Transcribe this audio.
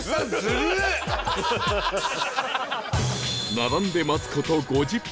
並んで待つ事５０分